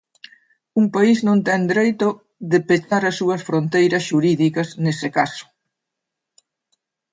Un país non ten dereito de pechar as súas fronteiras xurídicas nese caso.